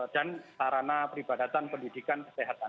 dan sarana peribadatan pendidikan kesehatan